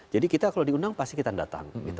jadi kita kalau diundang pasti kita datang